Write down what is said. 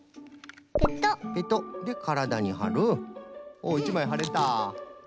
お１まいはれた。